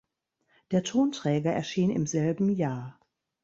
Der Tonträger erschien im selben Jahr.